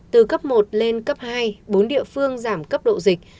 từ cấp một lên cấp hai bốn địa phương giảm cấp độ dịch